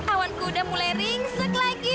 awanku udah mulai ringsek lagi